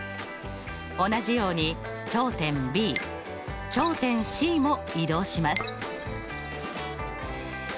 同じように頂点Ｂ頂点Ｃも移動します。